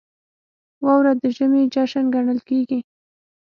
• واوره د ژمي جشن ګڼل کېږي.